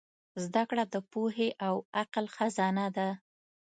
زدهکړه د پوهې او عقل خزانه ده.